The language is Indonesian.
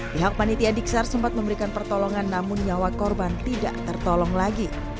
pihak panitia diksar sempat memberikan pertolongan namun nyawa korban tidak tertolong lagi